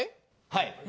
はい。